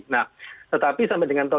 nah tetapi sampai dengan tol